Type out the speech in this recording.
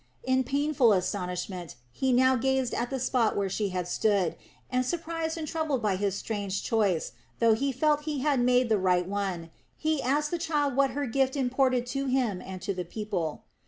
In painful astonishment he now gazed at the spot where she had stood, and surprised and troubled by his strange choice, though he felt that he had made the right one, he asked the child what her gift imported to him and to the people.